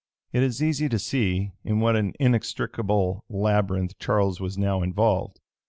It is easy to see in what an inextricable labyrinth Charles was now involved.